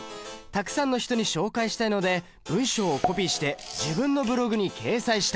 たくさんの人に紹介したいので文章をコピーして自分のブログに掲載した！